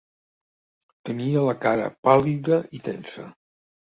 Tenia la cara pàl·lida i tensa.